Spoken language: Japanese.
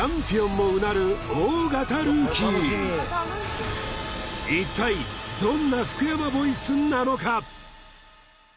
もうなる大型ルーキー一体どんな福山ボイスなのか？